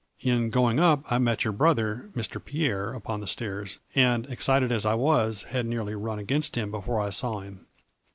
In going up I met your brother, Mr. Pierre, upon the stairs, and, excited as I was, had nearly run against him before I saw him.